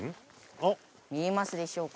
見えますでしょうか？